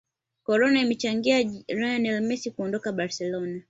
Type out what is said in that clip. corona imechangia lionel messi kuondoka barcelona